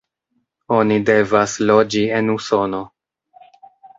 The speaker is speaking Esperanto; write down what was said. Oni devas loĝi en Usono.